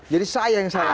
jadi saya yang salah